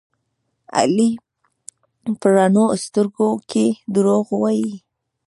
علي په رڼو سترګو کې دروغ وایي.